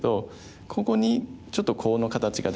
ここにちょっとコウの形ができて。